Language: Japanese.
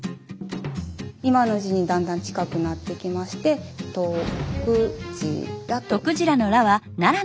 今の字にだんだん近くなってきまして「徳次良」と。